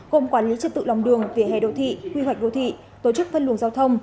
gồm quản lý chất tự lòng đường vỉa hè đồ thị quy hoạch đồ thị tổ chức phân luồng giao thông